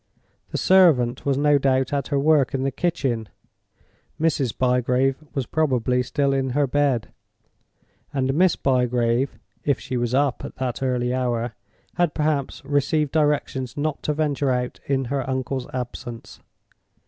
The servant was no doubt at her work in the kitchen; Mrs. Bygrave was probably still in her bed; and Miss Bygrave (if she was up at that early hour) had perhaps received directions not to venture out in her uncle's absence.